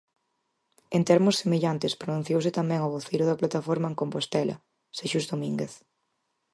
En termos semellantes pronunciouse tamén o voceiro da plataforma en Compostela, Xesús Domínguez.